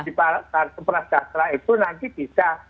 di kartu prasejahtera itu nanti bisa